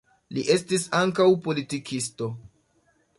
Li estis ankaŭ politikisto.